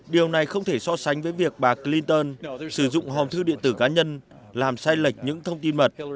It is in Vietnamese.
điều này không thể so sánh với việc bà clinton sử dụng hòm thư điện tử cá nhân làm sai lệch những thông tin mật